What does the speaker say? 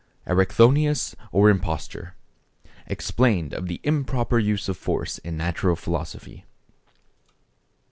—ERICTHONIUS, OR IMPOSTURE. EXPLAINED OF THE IMPROPER USE OF FORCE IN NATURAL PHILOSOPHY.